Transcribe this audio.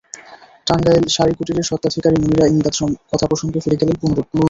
টাঙ্গাইল শাড়ি কুটিরের স্বত্বাধিকারী মুনিরা ইমদাদ কথা প্রসঙ্গে ফিরে গেলেন পুরোনো দিনে।